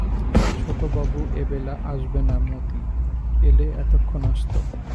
ছোটবাবু এবেলা আসবে না মতি, এলে এতক্ষণ আসত।